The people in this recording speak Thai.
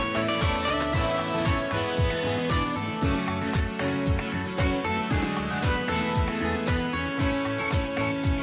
สวัสดีครับ